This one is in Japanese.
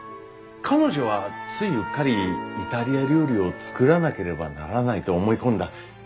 彼女はついうっかりイタリア料理を作らなければならないと思い込んだ。